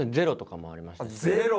ゼロ？